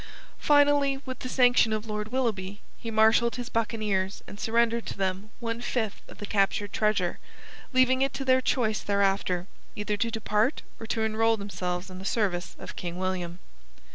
Finally, with the sanction of Lord Willoughby, he marshalled his buccaneers and surrendered to them one fifth of the captured treasure, leaving it to their choice thereafter either to depart or to enrol themselves in the service of King William.